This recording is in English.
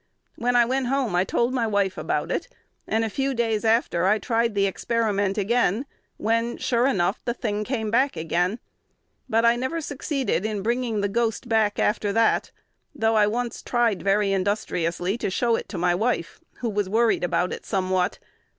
When I went home, I told my wife about it: and a few days after I tried the experiment again, when, sure enough, the thing came back again; but I never succeeded in bringing the ghost back after that, though I once tried very industriously to show it to my wife, who was worried about it somewhat.